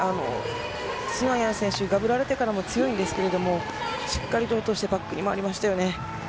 ソン・アヤン選手はがぶられてからも強いんですけれどもしっかり落としてバックに回りましたよね。